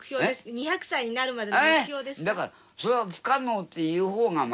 ２００歳になるまでの目標ですか？